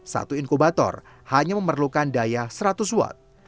satu inkubator hanya memerlukan daya seratus watt